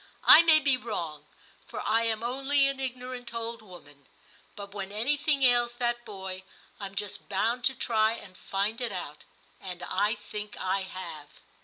I may be wrong, for I am only an ignorant old woman ; but when anything ails that boy I'm just bound to try and find it out; and I think I have.'